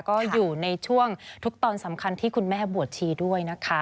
ก็อยู่ในช่วงทุกตอนสำคัญที่คุณแม่บวชชีด้วยนะคะ